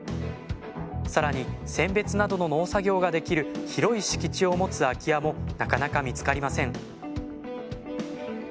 更に選別などの農作業ができる広い敷地を持つ空き家もなかなか見つかりません